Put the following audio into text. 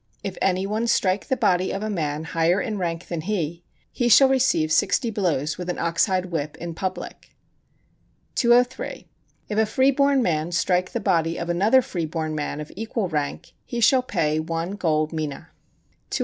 If any one strike the body of a man higher in rank than he, he shall receive sixty blows with an ox hide whip in public. 203. If a free born man strike the body of another free born man of equal rank, he shall pay one gold mina. 204.